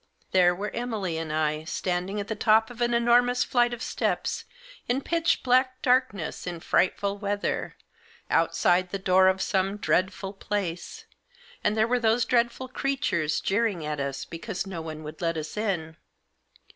There were Emily and I, standing at the top of an enormous flight of steps, in pitch black darkness, in frightful weather, outside the door of some dreadful place, and there were those dreadful creatures jeering at us because no one would let us in.